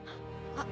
あっ！